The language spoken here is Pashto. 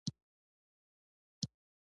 باز له لوږې سره عادت کړی دی